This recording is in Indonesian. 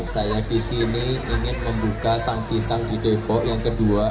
saya di sini ingin membuka sang pisang di depok yang kedua